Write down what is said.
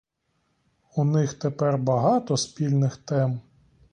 У них тепер багато спільних тем.